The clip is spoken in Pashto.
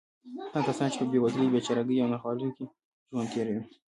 هغه کسان چې په بېوزلۍ، بېچارهګۍ او ناخوالو کې ژوند تېروي.